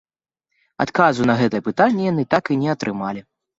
Адказу на гэтае пытанне яны так і не атрымалі.